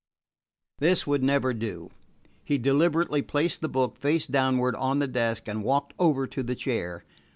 This would never do. He deliberately placed the book face downward on the desk and walked over to the chair.